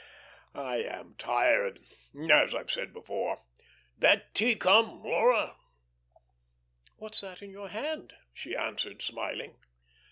My, my, I am tired as I've said before. D'that tea come, Laura?" "What's that in your hand?" she answered, smiling.